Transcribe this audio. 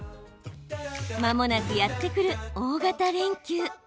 まもなくやってくる大型連休。